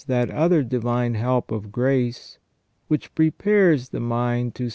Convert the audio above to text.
that other divine help of grace which prepares the mind to see * Decret.